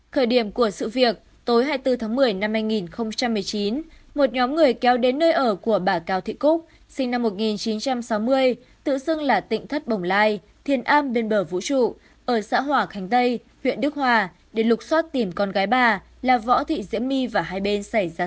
thời điểm của sự việc tối hai mươi bốn tháng một mươi năm hai nghìn một mươi chín một nhóm người kéo đến nơi ở của bà cao thị cúc sinh năm một nghìn chín trăm sáu mươi tự xưng là tỉnh thất bồng lai thiền a bên bờ vũ trụ ở xã hòa khánh tây huyện đức hòa để lục xoát tìm con gái bà là võ thị diễm my và hai bên xảy ra